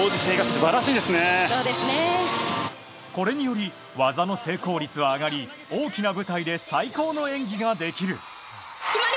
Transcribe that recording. これにより技の成功率は上がり大きな舞台で最高の演技ができる。